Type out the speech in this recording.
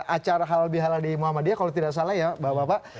acara halal bihalal di muhammadiyah kalau tidak salah ya bapak bapak